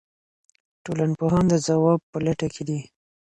ټولنپوهان د ځواب په لټه کې دي.